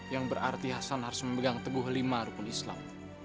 yang berarti hasan harus memegang teguh lima rukun islam